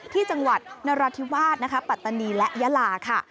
ที่จังหวัดนราธิวาสนะคะปัตตานีและยาลาค่ะ